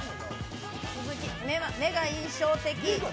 目が印象的。